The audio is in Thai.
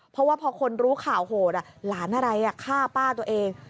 เพราะว่าพอคนรู้ข่าวโหดหลานอะไรฆ่าป้าตัวเอง